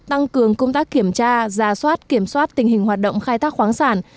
tăng cường công tác kiểm tra giả soát kiểm soát tình hình hoạt động khai thác khoáng sản